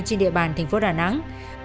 trên địa bàn thành phố đà nẵng